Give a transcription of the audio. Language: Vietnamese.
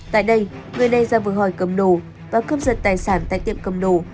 tại đây người này ra vừa hỏi cầm đồ và cấp dật tài sản tại tiệm cầm đồ